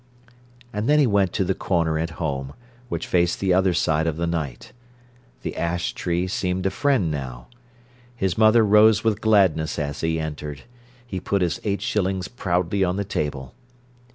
And then he came to the corner at home, which faced the other side of the night. The ash tree seemed a friend now. His mother rose with gladness as he entered. He put his eight shillings proudly on the table.